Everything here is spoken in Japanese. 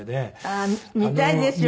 あっ見たいですよね。